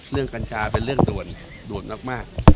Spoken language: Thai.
เรื่องกัญชาเป็นเรื่องด่วนด่วนนอกมาก